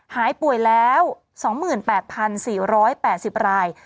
หายป่วยแล้ว๒๘๔๘๐ราย